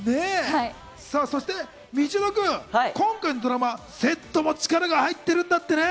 そして道枝くん、今回のドラマ、セットも力が入ってるんだってね？